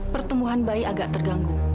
pertumbuhan bayi agak terganggu